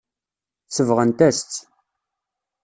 Sebɣen-as-tt.